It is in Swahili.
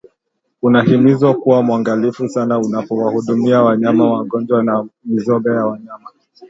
unahimizwa kuwa mwangalifu sana unapowahudumia wanyama wagonjwa na mizoga ya wanyama